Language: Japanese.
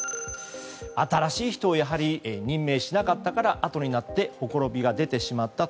新しい人を任命しなかったからあとになってほころびが出てしまったと。